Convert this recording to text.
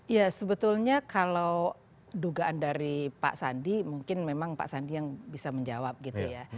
ya sebetulnya kalau dugaan dari pak sandi mungkin memang pak sandi yang bisa menjawab gitu ya